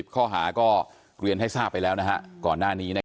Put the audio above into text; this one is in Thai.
๑๐ข้อหาก็เรียนให้ทราบไปแล้วนะครับก่อนหน้านี้นะครับ